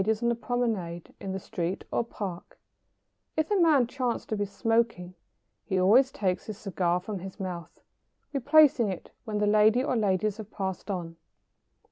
] In passing ladies on the promenade, in the street or Park, if a man chance to be smoking, he always takes his cigar from his mouth, replacing it when the lady or ladies have passed on.